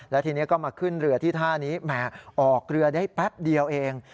แล้วทีนี้ก็มาขึ้นเรือที่ท่านี้แหมออกเรือได้แป๊บเดียวเอง